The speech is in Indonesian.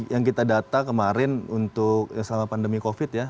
yang kita data kemarin untuk selama pandemi covid ya